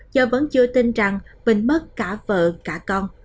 cháu vẫn chưa tin rằng vinh mất cả vợ cả con